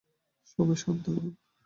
সবাই শান্ত হউন।